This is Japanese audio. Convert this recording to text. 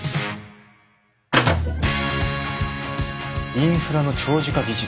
インフラの長寿化技術？